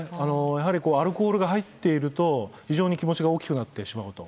やはりアルコールが入っていると非常に気持ちが大きくなってしまうと。